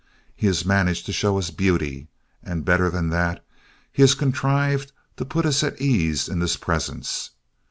He has managed to show us beauty and, better than that, he has contrived to put us at ease in this presence.